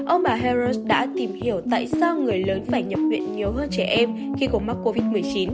ông bà heros đã tìm hiểu tại sao người lớn phải nhập viện nhiều hơn trẻ em khi có mắc covid một mươi chín